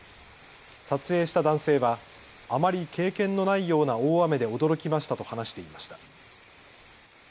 撮影した男性はあまり経験のないような大雨で驚きましたと話していました。